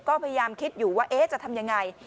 ก็พยายามคิดอยู่ว่าจะทำยังไง